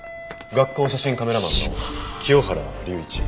学校写真カメラマンの清原隆一。